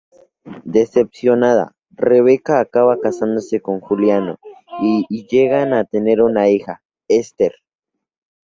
Decepcionada, Rebeca acaba casándose con Juliano, y llegan a tener una hija, Ester.